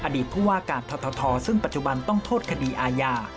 อดีตผู้ว่าการททซึ่งปัจจุบันต้องโทษคดีอาญา